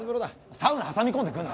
サウナ挟み込んでくんな。